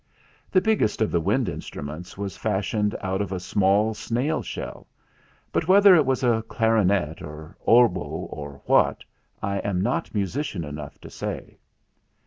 The biggest of the wind instruments was fashioned out of a small snail shell; but whether it was a clarinet, or oboe, or what, I am not musician enough to say.